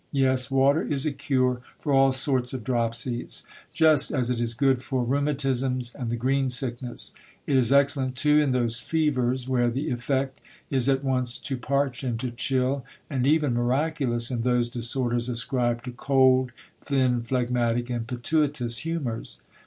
Yes, water is a cure for all sorts of dropsies, just as it is good for rheumatisms and the green sickness. It is excel lent, too, in those fevers where the effect is at once to parch and to chill, and even miraculous in those disorders ascribed to cold, thin, phlegmatic, and pituitous humours.